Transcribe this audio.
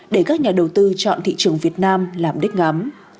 để các nhà đầu tư chọn thị trường việt nam làm đích ngắm